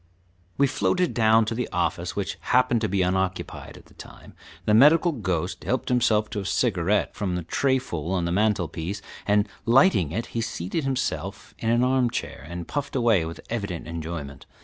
We floated down to the office, which happened to be unoccupied at the time. The medical ghost helped himself to a cigarette from a trayful on the mantel piece, and lighting it, he seated himself in an armchair, and puffed away with evident enjoyment.